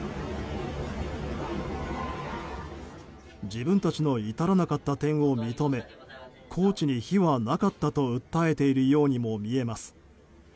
自分たちの至らなかった点を認めコーチに非はなかったと訴えているようにも見えます。